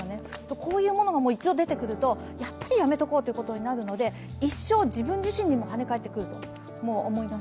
こういうものが一度出てくると、やっぱりやめておこうとなるので一生、自分自身にも跳ね返ってくると思います。